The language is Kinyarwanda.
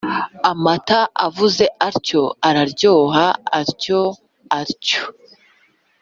amata avuze atyo araryoha. atyo: a – tyo